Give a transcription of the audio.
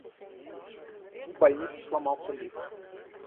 В больнице сломался лифт.